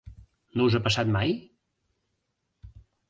No us ha passat mai?